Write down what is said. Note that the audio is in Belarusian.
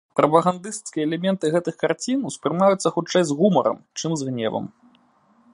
Прапагандысцкія элементы гэтых карцін успрымаюцца хутчэй з гумарам, чым з гневам.